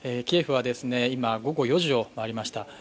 キエフは今、午後４時を回りました。